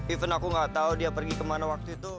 even aku gak tau dia pergi kemana waktu itu